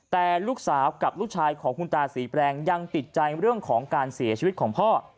แต่ลูกสาวกับลูกชายของคุณตาศรีแปลงยังติดใจเรื่องของการเสียชีวิตของพ่อ